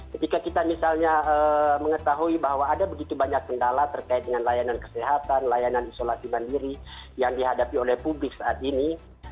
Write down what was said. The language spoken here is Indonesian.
ketika kita misalnya mengetahui bahwa ada begitu banyak kendala terkait dengan layanan kesehatan layanan isolasi mandiri yang dihadapi oleh publik saat ini